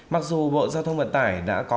mặc dù bộ giao thông vận tải đã có